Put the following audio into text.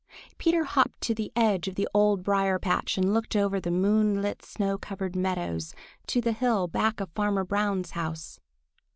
Peter hopped to the edge of the Old Briar patch and looked over the moonlit, snow covered meadows to the hill back of Farmer Brown's house.